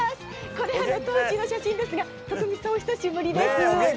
これが当時の写真ですが、徳光さんお久しぶりです。